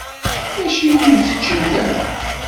Acimi ur teččimt ara?